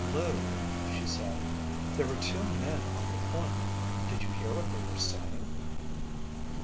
"Lou," she said, "there were two men on the point. Did you hear what they were saying?"